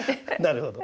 なるほど。